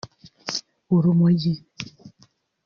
urumogi